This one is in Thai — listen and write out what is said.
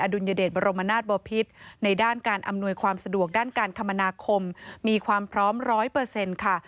ดุลยเดชบรมนาศบอพิษในด้านการอำนวยความสะดวกด้านการคมนาคมมีความพร้อม๑๐๐ค่ะ